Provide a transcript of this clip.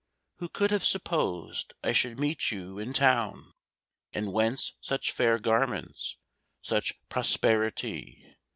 Who could have supposed I should meet you in Town? And whence such fair garments, such prosperi ty?"